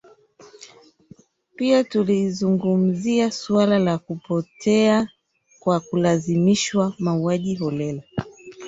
Pia tulizungumzia suala la kupotea kwa kulazimishwa mauaji holela